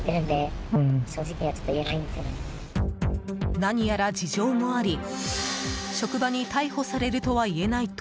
何やら事情もあり職場に逮捕されるとは言えないと